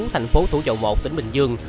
thành phố thủ chậu một tỉnh bình dương